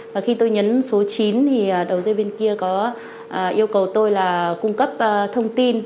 và khi tôi nhấn số chín thì đầu dây bên kia có yêu cầu tôi là cung cấp thông tin